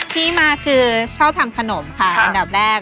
ที่มาคือชอบทำขนมค่ะอันดับแรก